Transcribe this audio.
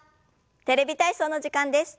「テレビ体操」の時間です。